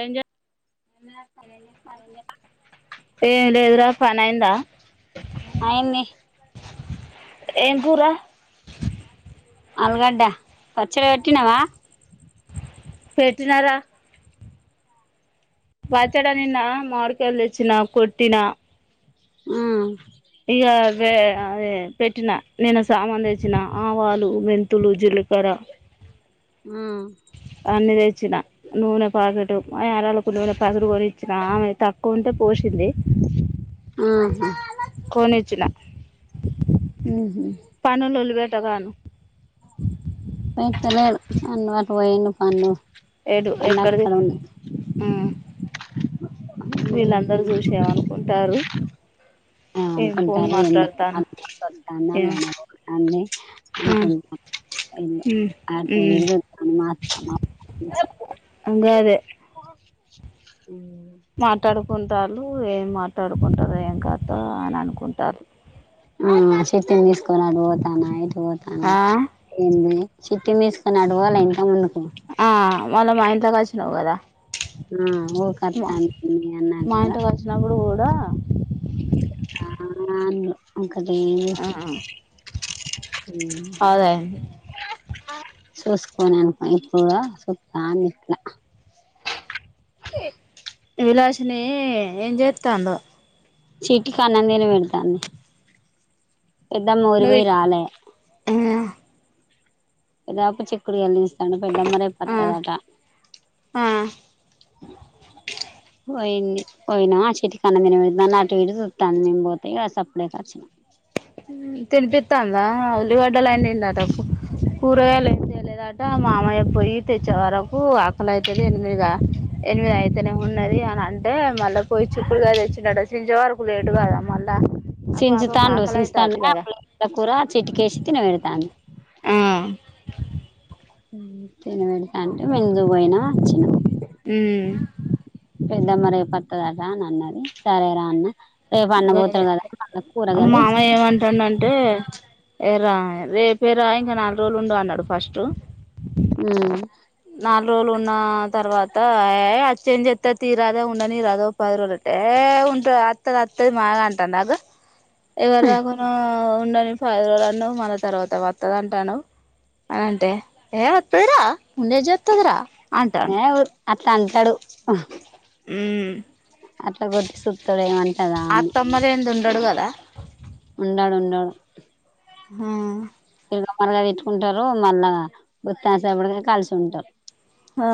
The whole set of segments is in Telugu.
ఏం చే ఏం లేదురా పని అయిందా అయింది ఏం కూరా ఆలుగడ్డ పచ్చడి పెట్టినావా పెట్టినారా పచ్చడి నిన్న మామిడికాయలు తెచ్చిన కోట్టిన హ్మ్ ఇగా వె దె పెట్టిన నిన్న సామాన్ తెచ్చిన ఆవాలు మెంతులు జీలకర్ర ఉమ్ ఇచ్చిన నూనె ప్యాకెట్ మా యారాలకు నూనె పాకెట్ కోనిఇచ్చిన ఆమె తక్కువ ఉంటే పోసింది ఉహు కోనిచ్చిన ముహుమ్ త్తగాను విత్తలేడు అన్న అటు పోయండు పన్లోకి ఏడు ఎక్కడది వీళ్ళందరూ చూసి ఏమనుకుంటారు ఆ ఏం ఫోన్ అనుకుంటారు ఎన్నో మాట్లాడతాను ఏం అయిన అన్ని ఉమ్ ఉమ్ ఉమ్ ఎంత మా అత్తమ్మ మాట్లాడు అనుకుంటారు ఏం మాట్లాడుకుంటారు ఏం కాద అని అనుకుంటారు ఆ చిట్టి తీసుకొనిఅటు పోతానా ఎటు పోతన్న ఆ ఎంది చిట్టిని తీసుకొనీ అట్టు పోలే ఇంతకుముందు ఆ మనము అట గాచినవు కదా ఉమ్ ఊ మా కొత్తంది అన్నట్టు లో ఆ న అరే ఆ అదయింది స పోన అనుకో ఇప్పుగా సత్తా నట్లా వి విలాక్ష్మమీ ఏం చేస్తాందో చిటికి అన్నందిని పెడతాంది పెద్దమ్మ ఊరికి నువ్వు పోయి రావాలే ఇ లేత చికుడు కాయలు తీస పెద్ పెద్దమ్మ రేపు ఆ వస్తాదట్ట అ పోయింది పోయినా చెటి కన్నిన అటు విడిాం పోతాయి అసప్పుడే కచ్చిన తినిపిస్తాదా అందా పలి వడ్డల అట కూరగాయలు ఏం తెలేదట మామయ్య పోయి తెచ్చే వరకు అక్కలయితే ఎనిమిదిగా ఎనిమిది అయితేనే ఉన్నది అని అంటే మళ్ళా పోయి చుకుడుగా తెచ్చినట చించే వరకు లేటు కాదా మళ్ళా ఆ సిజి పాపకు తాండు ఆకలి అయితాంది తనా కదా కూర చిట్కేసి తిన పెడతాంది ఆ తినబెడత అంటే విందుపోయినా వచ్చిన ఉమ్ పెద్దమ్మ రేపొత్త రా అ అన్నది సరేరా అన్న రేపు అన్న పోతాడు కదా కూరగాయలు మామ ఏమంటాండంటే హే రా రేపేరా ఇంకా నాలుగు రోజులు ఉండు అన్నాడు ఫస్ట్ హు పది రోజులు ఉన్న తర్వాత వచ్చి ఏం చేస్తాది తీరాదే ఉండని రాదే పది రోజులు అట్టే ఏ ఉంటాద వత్తది వత్తది బాగంటన్నారు ఏవల్ రాగున్న ఉండని పది రోజులన్నావ్ మల్ల తర్వాత వస్తదఅంటావ్ అని అంటే ఏ వస్తదిరా ఉండే ఏం చేస్తుందిరా యా అట్లా అంటాడు ఊ అట్లా కొట్టి సూత్త ఏమంటదా అని ఉండడుగదా ఉండాడు ఉండాడు హా లోపలుగా తిట్టుకుంటారు మళ్ళా కొత్త సేపటిగా కలిసి ఉంటారు ఆ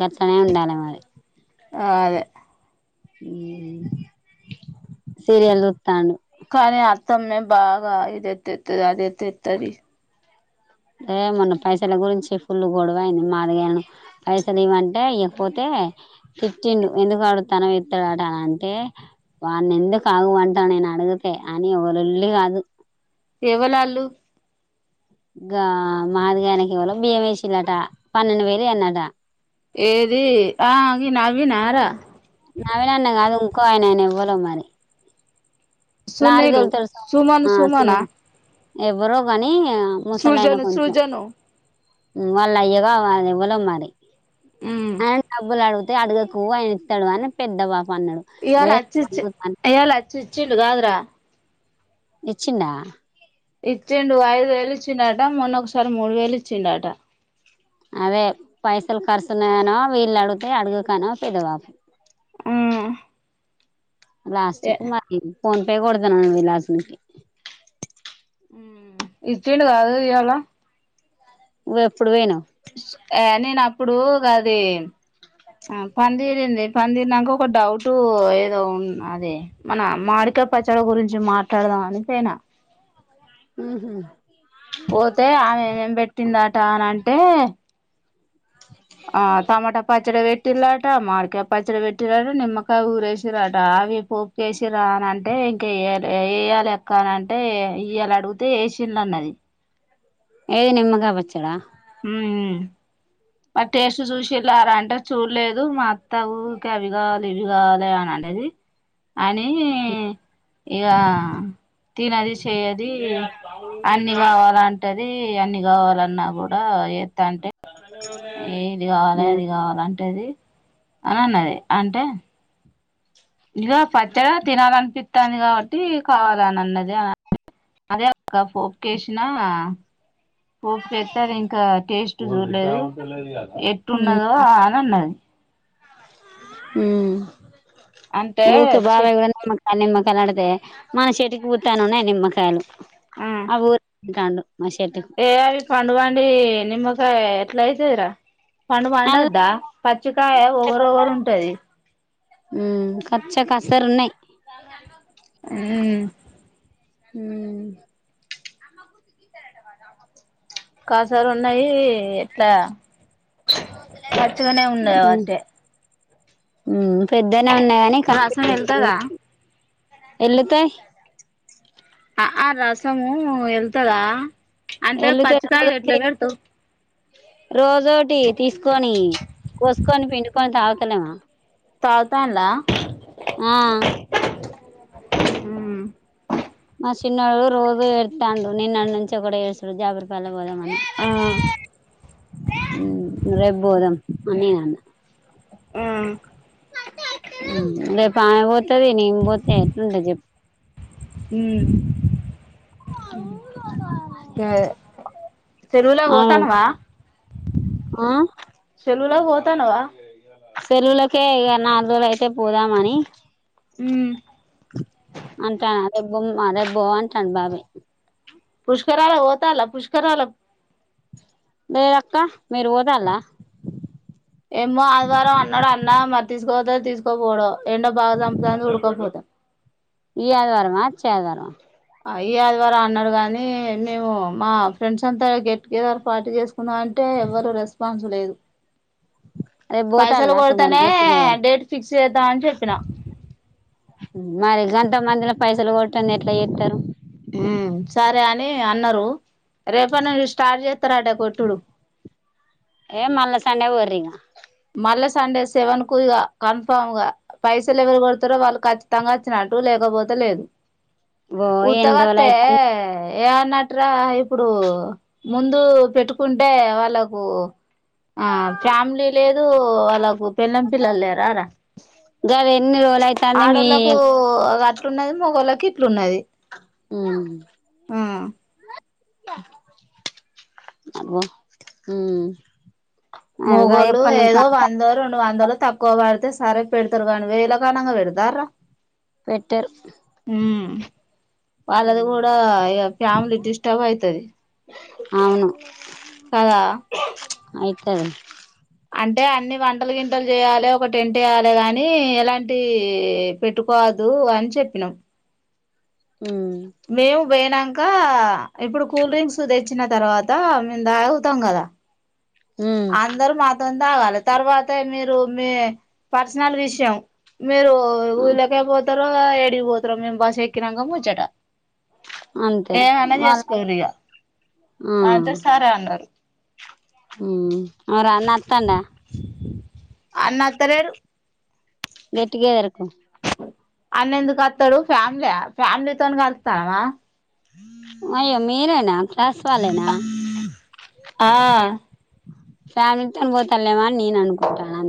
గట్లనే ఉండాలి మరి ఆ అదే హు సీరియల్ చూస్త్తండు కానీ అతమ్మే బాగా ఇదేత్తతది అదితేత్తది హే మొన్న పైసల గురించి ఫుల్ గొడవ అంది మాదిగాను పైసలు ఇవంటే ఇకపోతే తిట్టిండు ఎందుకు అడుతానో ఇత్తాడుట అంటే వాని ఎందుకు ఆగు అంటా నేను అడిగితే అని వో లొల్లి కాదు ఏవలాళ్ళు గా మాదిగాయనకి ఎవల్లో బియ్యం వేసిండట పన్నెండు వేలు ఈ అ న్నాట ఏది ఆవి నవీనార నవీన్ అనన్న కాదూ ఇంకొఆయన ఎవల్లో మరి లారీ సునీలు సుమను సుమనా ఎవరో కాని సజను సుజను హు వాళ్ళ అయ్యగా వాళ్లు ఎవల్లో మరి ఉమ్ ఆయన్ డబ్బులు ఆడుగు ఐతే అడగకు ఆయన్ ఇస్తాడు అని పెద్దవా పన్నాడు ఇయాల నేను అచ్చిచ్చి అని ఇయాల అచ్చి ఇచ్చిండు కాద్రా ఇచ్చిండా ఇచ్చిండు ఐదు వేలు ఇచ్చిండట మొన్న ఒకసారి మూడు వేలు ఇచ్చిండట అదే పైసలు ఖర్చున్నాయనో వీళ్ళు అడిగితే అడుగకనో పెదవాబు ఊ లాస్ట్కు మరి ఫోన్ పే కొడతనను విలాసనికి ఇచ్చిండు కాదు ఇయాల నువ్వు ఎప్పుడు పోయినావు యా నేను అప్పుడు గది ఆ పనిదీరింది పని దీరినంక ఒక డౌట్ ఏదో ఉ అది మన మాడికా పచ్చడి గురించి మాట్లాడదాం అనిపోయిన ఊహు పోతే ఆమెమేం పెట్టిందట అనంట్ ఆ టమాటా పచ్చడి పెట్ పెట్టిలాట మామిడికాయ పచ్చడి పెట్టిరాట నిమ్మకాయ ఊరేసిరట అవి పోపుకేసిన్ రా అనంట్ టే ఇంకా ఎయ్యలే ఎయ్యాలి అత్ కాని అంటే ఇయాల అడిగితే ఏసినన్నది ఏది నిమ్మకాయ పచ్చడా మ టేస్ట్ చూసిళార అంటే చూడలేదు మా అత్త ఊకి అవి కావాలి ఇవి కావాలి అననేది అని ఇగ తినది చెయ్యది అన్ని కావాలంటది ది అన్ని కావాలన్నా కూడా డా ఏ తంటె ఏ ఇది కావాలె ఉమ్ అది కావాలె టది అని అన్నది అంటే ఇగ పచ్చడా తినాలనిపిత్తాంది కాబట్టి కావాలని అన్నది అని అదే అక్క పోపు కేషినా పోపు కేతే అదింకా టేస్ట్ ఎవర్ లేదు ఉమ్ ఎట్టున్నదో అని ఉన్నది ఊ అంటే ఊకే చి బాబాయి గాని ఆ నిమ్మకాయలు ఆడితే మన చెట్కి బుత్తాన్ని ఉన్నాయి నిమ్మకాయలు ఆ ఊరికాడు ఏ అవి పండు బండి నిమ్మకాయ ఎట్లా అయితదరా పండు అల్ల పండద్దా పచ్చికయ ఓగరోగరు ఉంటది. కచ్చా కసరున్నాయ్ ఊ ఊ కాసర్ ఉన్నాయి ఎట్లా చచ్చగానే ఉన్నా అవంటే ఊ పెద్దనే ఉన్నాయి కాని కనిపి రసం అసలు ఎళ్తదా ఎలితే ఆ రసము ఎల్తదా వెళ్ళతే రజోటి రోజోటి తీసుకొని కోసుకొని, పిండుకొని తాగు. తెలవా తాగుతందా ఆ హ [inaudible] మా చె ఇక్కడ ఉన్న పదానికి పైన వాయిస్ టైపింగ్ కు పోలిక లేకుండా ఉంది. చిన్నోడు ఆ మా చిన్నోడు రోజు ఏర్తాండు నిన్నటి నుంచి ఒకటే ఏడుసుడు జాబుర్పల్లిపోదామని. రే బోదం అనేగాన్న ఆ రేపు ఆమె పోతుది నేమి పోతే ఎట్లుంట చెప్పు హు గ చెరువులా ఆమె పోతానువా ఆ చె లా పోతనవా సలవులకే ఇ నాలుగు రోజులు అయితే పోదామని ఉ అంటాను అరే బొ అరే బో అంటాను బాబా పుష్క పుష్కరా ల పోతలా పుష్కరాల లేేదక్క మీరు పోదాలా ఏమ్మో అదివారం అన్నడ అన్న మరి తీసుకుపోతా తీసుకోపోడో ఎండ బాగా చంపుతది ఉడకపోతా ఈ ఆదివారం వచ్చేఆదివారం అ ఈ ఆదివారా అన్నాడు కాగానీ అంటే ఎవరు రెస్పాన్స్ లేదు రేపు పైసలు పోతాల్లా మరి కొడతానే గెట్ టుగెదర్ డేట్ ఫిక్స్ చేద్దామని చెప్పిన మరి గతామందిలో పైసలు కొట్ంది ఎట్లా చెస్తారు ఉ సరే అని అన్నారు రేప నురు స్టార్ట్ చేస్తారట కొట్టుడు ఏ మళ్ళా సండే పోర్రి ఇగ మళ్ళీ సండే సెవెన్ కు ఇ కన్ఫామ్ గా పైసలు ఎవరు కొడతారో వాళ్ళు ఖచ్చితంగా వచ్చినట్టు లేకపోతే లేదు. ఓ ఎన్ని రోజులు ఉత్తవత్తే అయితాంది ఏన్నట్రా ఇప్పుడు ముందు పెట్టుకుంటే వాళ్ళకు ఆ ఫ్యామిలీ లేదు అలాకు పెన్నం పిల్లలు లేరా రా గది ఎన్ని రోజులు అయితాంది మీ ఆడోళ్ళలకు గట్టు ఉన్నది మగవాళ్ళకి ఇప్పుడున్నది అ ఆ అమె హు మొగళ్లు ఏదో వంద రెండు వందలు తక్కువ పడితే సరే పెడుతురు కానీ వేలకనంగా పెడదార పెట్టరు హ వాళ్ళది కూడా ఫ్యామిలీ డిస్టర్బ్ అయితది అవును కదా ఆయి ఆ అంటే అన్ని వంటలు గింటలు చేయాలి ఒక టెంట్ ఎయాలే గాని ఎలాంటి పెట్టుకోవద్దు అని చెప్పినాం ఉమ్ మేము బైనాక్ ఇంకా ఇప్పుడు కూల్ డ్రింక్స్ తెచ్చిన తర్వాత మేము తాగుతాం కదా అందరు మాతోంంత తాగాలి తర్వాత మీరు మీ పర్సనల్ విషయం మీరు ఉలకేపో తరువ ఎడిగిపో పోతారు మేము బాస్సు ఎక్కి నాక ముచ్చట అంతే ఏమన్నా వాళ్ళ చేసుకోరియ అంతే సార్ అన్నారు అర అన్నత్తండా అన్నత్తలేరు గట్టిగా ఎరక్కు అన్న ఎందుకు వస్తాడు ఫ్యామిలీ యా ఫ్యామిలీతోని కలుతున్నావా అయ్ మీరేనా ఫ్లాస్ వాలేనా ఆ ఫ్యామిలీతోన్ పోతల్లేవా నేన్ అనుకో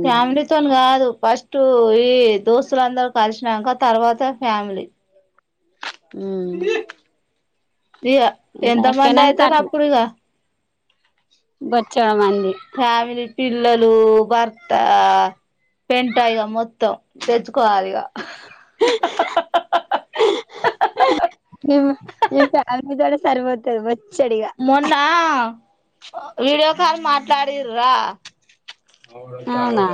ఫ్యామిలీతోని కాదు ఫస్ట్ ఈ దోస్తులందరు కలిసినాక తర్వాత ఫ్యామిలీ ఇ ఎంత మంది అయిపోయినంక అయితారుా అప్పుడుక బచ్చడ మ ఫ్యామిలీ పిల్లలు వార్త పెంట్ ఇగా మొత్తం సేచ్చు ఏమ ఏం ఫ్యామిలీ ద్వారా సరిపోత మొన్న విీడియో కాల్ మాట్లాడిండ్రా అవుడ అవునా తవుడ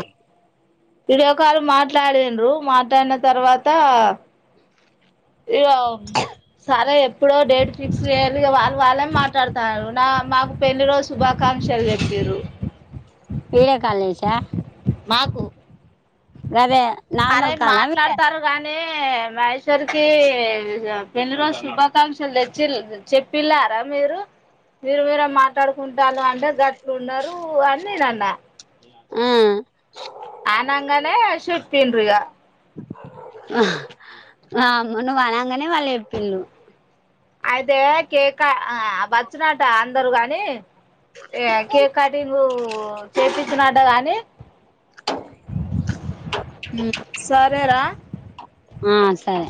వీడియో కాల్ మాట్లాడిన్రు మాట్లాడిన తర్వాత ఇ ఓ సరే ఎప్పుడో డేట్ ఫిక్స్ చేయాలి వాళ్ళు వాళ్ళే మాట్లాడుతన్నారు నా మాకు పెళ్లి రోజు శుభాకాంక్షలు చెప్పారు వీడియో కాల్ చేశా మాకు గదే అరే నార్మల్ కాలా వీడియో మాట్లాడతారు గానీ మహేశ్వరికి పెళ్లి రోజు శుభాకాంక్షలు తెచ్చి చెప్పిల్లారా మీరు మీరు మీరు మాట్లాడుకుంటాలు అంటే గట్లు ఉన్నారు అని నేనన్న ఆ అనంగానే చెప్పిండ్రు ఇగ ఆ అమ్మ నువ్వు అనంగానే వాళ్ళు చెప్పిల్ళు అయితే కేక బచ్చినట అందరు గాని ఏ కేక్ కటింగు చేపిస్తున్నాడట గాని సరేరా ఆ సరే